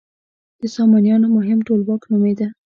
د سامانیانو مهم ټولواک نومېده.